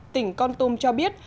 tỉnh con tum cho biết